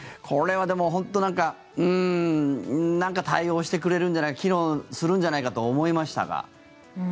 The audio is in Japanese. これは、でも本当なんか対応してくれるんじゃないか機能するんじゃないかと思いましたが。